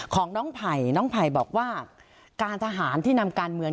ของน้องไผ่น้องไผ่บอกว่าการทหารที่นำการเมือง